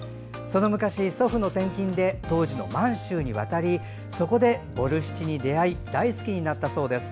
その昔、祖父の転勤で当時の満州に渡りそこでボルシチに出会い大好きになったそうです。